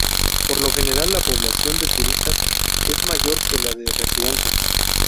Por lo general, la población de turista es mayor que la de residentes.